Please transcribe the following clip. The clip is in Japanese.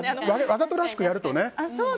わざとらしくやるとね。